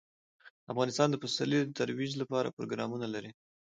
افغانستان د پسرلی د ترویج لپاره پروګرامونه لري.